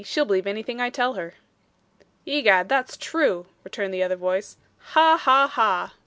She'll believe anything I tell her.' 'Egad that's true,' returned the other voice. 'Ha, ha, ha!